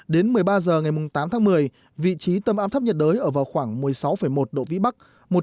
đến một mươi ba h ngày tám tháng một mươi vị trí tâm áp thấp nhiệt đới ở vào khoảng một mươi sáu một độ vĩ bắc